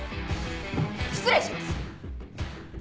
失礼します。